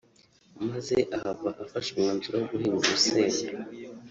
maze ahava afashe umwanzuro wo guhinga urusenda